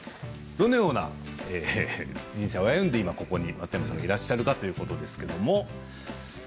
どのような人生を歩んでここにいらっしゃるのかということです。